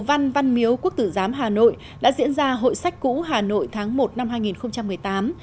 văn miếu quốc tử giám hà nội đã diễn ra hội sách cũ hà nội tháng một năm hai nghìn một mươi tám